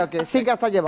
oke singkat saja